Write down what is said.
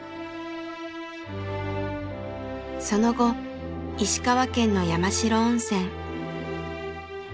その後石川県の山代温泉。